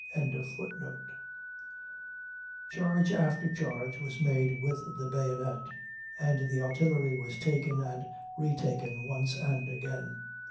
"] Charge after charge was made with the bayonet, and the artillery was taken and retaken once and again.